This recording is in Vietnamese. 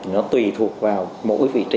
nó tùy thuộc vào mỗi vị trí